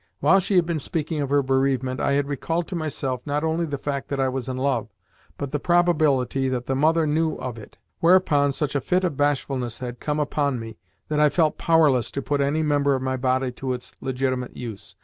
While she had been speaking of her bereavement, I had recalled to myself, not only the fact that I was in love, but the probability that the mother knew of it: whereupon such a fit of bashfulness had come upon me that I felt powerless to put any member of my body to its legitimate use.